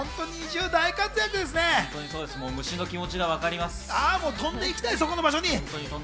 虫の気持ちが分かります。